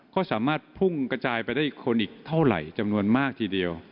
ก็สามารถพุ่งกระจายไปได้คนอีกเท่าไหร่จำนวนมากทีเดียว